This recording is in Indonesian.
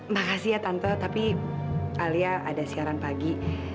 makasih ya tante tapi alia ada sekarang pagi